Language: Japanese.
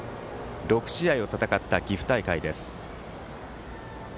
６試合を戦った岐阜大会です。